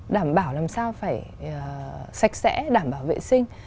đảm bảo làm sao phải sạch sẽ đảm bảo vệ sinh